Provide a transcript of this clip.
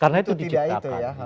karena itu diciptakan